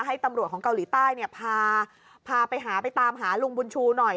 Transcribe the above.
ให้ตำรวจของเกาหลีใต้เนี่ยพาพาไปหาไปตามหาลุงบุญชูหน่อย